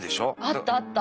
あったあった。